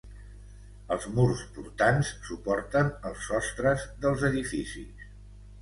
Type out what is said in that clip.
Els murs portants suporten els sostres dels edificis.